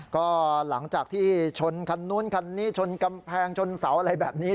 ก็หลังจากที่ชนคันนู้นคันนี้ชนกำแพงชนเสาอะไรแบบนี้